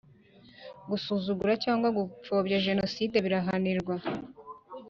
Gusuzugura cyangwa gupfobya jenoside birahanirwa